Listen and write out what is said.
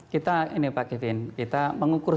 kita ini pak kevin kita mengukur